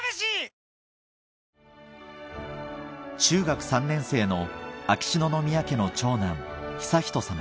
中学３年生の秋篠宮家の長男悠仁